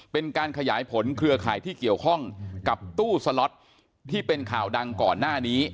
เป็นการขยายผลเครือข่ายที่เกี่ยวข้องกับตู้สล็อตที่เป็นข่าวดังก่อนหน้านี้